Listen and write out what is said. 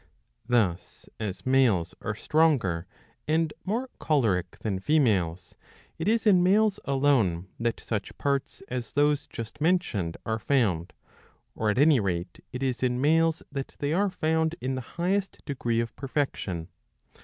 Thus as males are stronger and more choleric than females, It is in males alone that such parts as those just mentioned are found, or at any rate it is in males that they are found in the highest degree of perfection.